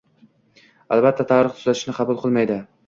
Albatta, tarix tuzatishni qabul qilmaydi